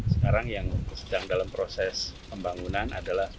sekarang yang sedang dalam proses pembangunan adalah